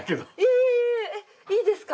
いいですか？